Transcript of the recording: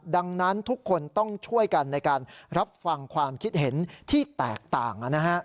ดังนั้นทุกคนต้องช่วยกันในการรับฟังความคิดเห็นที่แตกต่าง